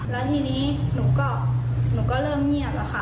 แล้วทีนี้หนูก็หนูก็เริ่มเงียบแล้วค่ะ